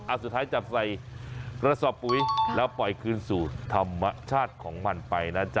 สุดท้ายจับใส่กระสอบปุ๋ยแล้วปล่อยคืนสู่ธรรมชาติของมันไปนะจ๊